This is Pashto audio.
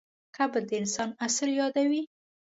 قبر د انسان اصل یادوي.